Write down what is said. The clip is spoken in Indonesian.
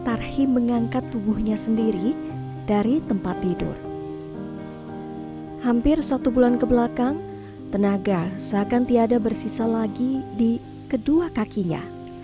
tarhim mengangkat tubuhnya sendiri dari tempat tidur hampir satu bulan kebelakang tenaga seakan tiada bersisa lagi di kedua kakinya